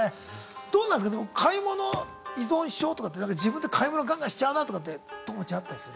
どうなんすかでも買い物依存症とかって自分で買い物ガンガンしちゃうなとかってともちあったりする？